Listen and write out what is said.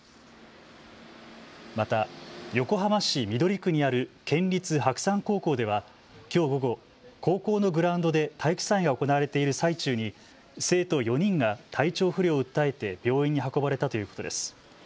また横浜市緑区にある県立白山高校では、きょう午後、高校のグラウンドで体育祭が行われている最中に生徒４人が体調不良を訴えて病院に運ばれたということです。